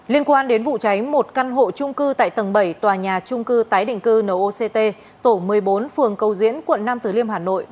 liên quan đến vụ cháy một căn hộ trung cư tại tầng bảy tòa nhà trung cư tái định cư noct tổ một mươi bốn phường cầu diễn quận năm từ liêm hà nội